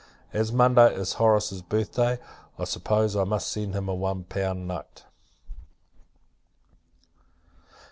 As Monday is Horace's birth day, I suppose I must send him a one pound note.